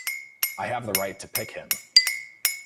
I have the right to pick him.